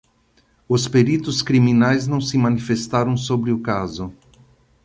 Os peritos criminais não se manifestaram sobre o caso.